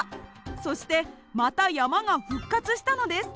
そしてまた山が復活したのです。